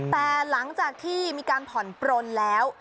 แต่หลังจากที่มีการผ่อนปลนแล้ว